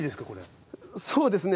そうですね